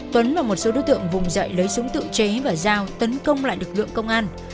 tuấn và một số đối tượng vùng dậy lấy súng tự chế và dao tấn công lại lực lượng công an